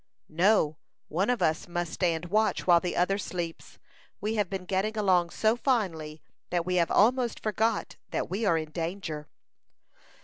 "No; one of us must stand watch while the other sleeps. We have been getting along so finely, that we have almost forgot that we are in danger."